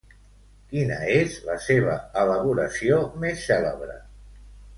Quina és la seva elaboració més cèlebre?